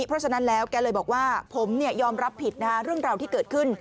เพราะฉะนั้นแล้วแกเลยบอกว่าผมยอมรับผิดเรื่องราวที่เกิดขึ้น